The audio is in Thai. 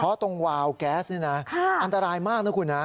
เพราะตรงวาวแก๊สนี่นะอันตรายมากนะคุณนะ